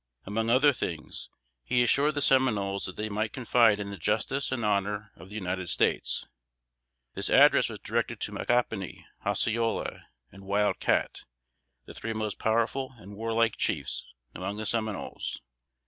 Among other things, he assured the Seminoles that they might confide in the justice and honor of the United States. This address was directed to Micanopy, Osceola and Wild Cat, the three most powerful and warlike chiefs among the Seminoles.